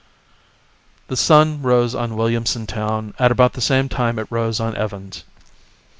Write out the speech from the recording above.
The sun rose on Williamson Town at about the same time it rose on Evans.